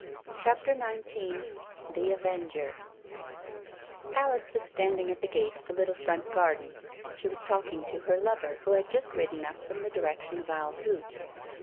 CHAPTER XIX THE AVENGER Alice was standing at the gate of the little front garden. She was talking to her lover, who had just ridden up from the direction of Owl Hoot.